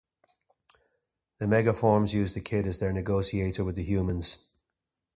The Megaforms use the Kid as their negotiator with the humans.